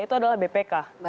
itu adalah bpk